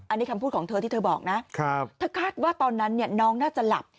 อันนี้คำพูดของเธอที่เธอบอกนะเธอคาดว่าตอนนั้นน้องน่าจะหลับ